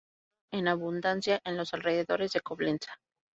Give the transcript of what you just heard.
Se encontró hierro en abundancia en los alrededores de Coblenza.